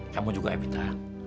kamu juga evita